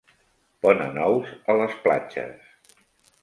Ponen ous a les platges.